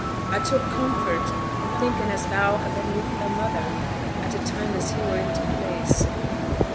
A took comfort i' thinkin' as thou'd ha' been wi' thy mother a' t' time as he were i' t' place.'